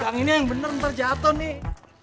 pegangin yang bener ntar jatoh nih